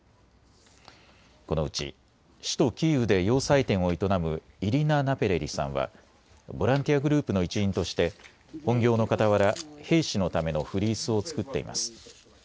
このうち首都キーウで洋裁店を営むイリナ・ナペレリさんはボランティアグループの一員として本業のかたわら、兵士のためのフリースを作っています。